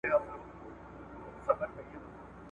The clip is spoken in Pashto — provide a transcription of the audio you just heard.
تر ژوندیو مو د مړو لوی قوت دی .